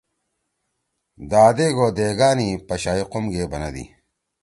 دادیک او دیگان ئی پشائی قوم گے بنَدی۔